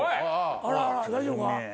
あらあら大丈夫か？